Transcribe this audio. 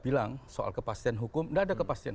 bilang soal kepastian hukum tidak ada kepastian